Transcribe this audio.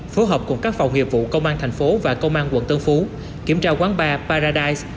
phối hợp cùng các phòng nghiệp vụ công an thành phố và công an quận tân phú kiểm tra quán bar paradise